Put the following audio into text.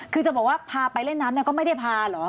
คือจะบอกว่าพาไปเล่นน้ำก็ไม่ได้พาเหรอ